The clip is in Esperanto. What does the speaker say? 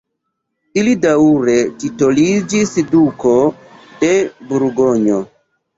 Ili daŭre titoliĝis duko de Burgonjo.